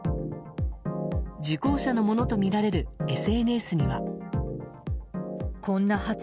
受講者のものとみられるＳＮＳには。